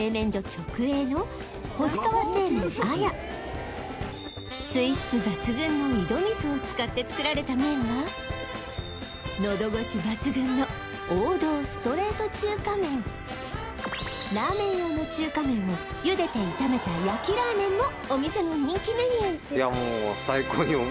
直営の水質抜群の井戸水を使って作られた麺はのどごし抜群の王道ラーメン用の中華麺をゆでて炒めた焼きラーメンもお店の人気メニュー